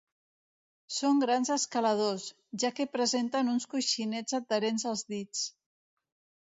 Són grans escaladors, ja que presenten uns coixinets adherents als dits.